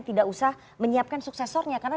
tidak usah menyiapkan suksesornya karena